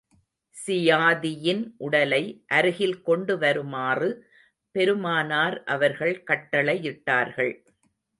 ஸியாதியின் உடலை, அருகில் கொண்டு வருமாறு பெருமானார் அவர்கள் கட்டளையிட்டார்கள்.